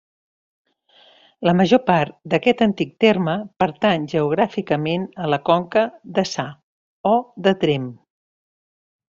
La major part d'aquest antic terme pertany geogràficament a la Conca Deçà, o de Tremp.